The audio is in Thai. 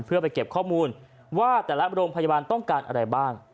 เพื่อไปเก็บข้อมูลว่าแต่ละโรงพยาบาลต้องการอะไรบ้าง